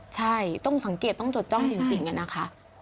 ใช่ต้องสังเกตต้องจดจ้องจริงอะนะคะ